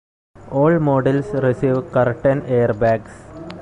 All models receive curtain airbags.